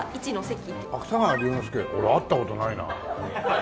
俺会った事ないなあ。